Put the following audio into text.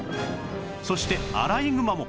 そしてアライグマも